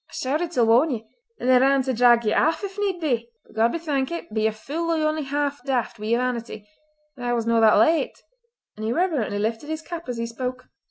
I shouted till warn ye, and then ran to drag ye aff, if need be. But God be thankit, be ye fule or only half daft wi' yer vanity, that I was no that late!" and he reverently lifted his cap as he spoke.